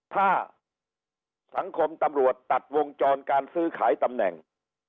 ถ้าสังคมตำรวจตัดวงจรการซื้อขายตำแหน่ง